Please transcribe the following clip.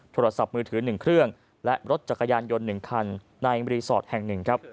โทรศัพท์มือถือ๑เครื่องและรถจักรยานยนต์๑คันในรีสอร์ทแห่ง๑